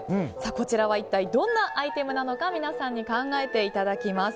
こちらは一体どんなアイテムなのか皆さんに考えていただきます。